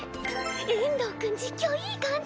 遠藤くん実況いい感じ。